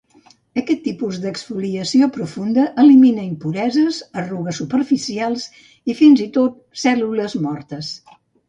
Aquest tipus d'exfoliació profunda elimina impureses, arrugues superficials i fins i tot cèl·lules mortes.